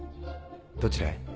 どちらへ？